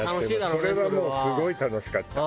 それはもうすごい楽しかった。